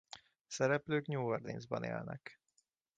A szereplők New Orleans-ban élnek.